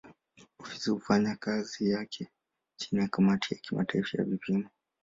Ofisi hufanya kazi yake chini ya kamati ya kimataifa ya vipimo.